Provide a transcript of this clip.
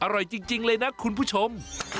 อร่อยจริงเลยนะคุณผู้ชม